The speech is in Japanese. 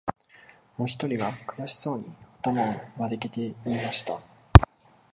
もひとりが、くやしそうに、あたまをまげて言いました